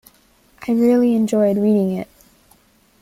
I really enjoyed reading it.